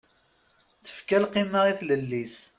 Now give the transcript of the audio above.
Tefka lqima i tlelli-is.